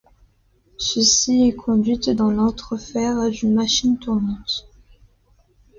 Celle-ci est conduite dans l'entrefer d'une machine tournante.